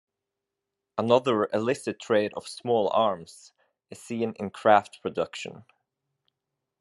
Another illicit trade of small arms is seen in craft production.